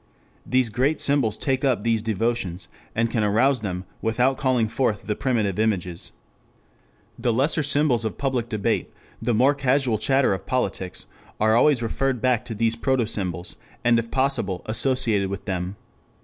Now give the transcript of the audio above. The great symbols take up these devotions, and can arouse them without calling forth the primitive images. The lesser symbols of public debate, the more casual chatter of politics, are always referred back to these proto symbols, and if possible associated with them.